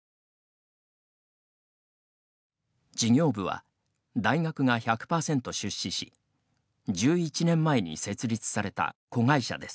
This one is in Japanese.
事業部は、大学が１００％出資し１１年前に設立された子会社です。